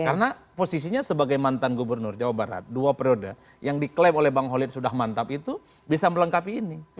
karena posisinya sebagai mantan gubernur jawa barat dua periode yang diklaim oleh bang holid sudah mantap itu bisa melengkapi ini